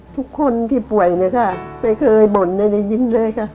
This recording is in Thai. ทุกคนที่ป่วยไม่เคยบ่นไม่ได้ยินเลย